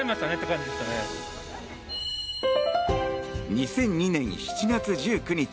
２００２年７月１９日